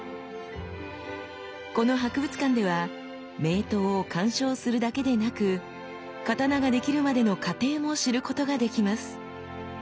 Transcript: この博物館では名刀を鑑賞するだけでなく刀ができるまでの過程も知ることができます。